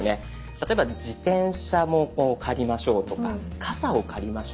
例えば自転車を借りましょうとかカサを借りましょう。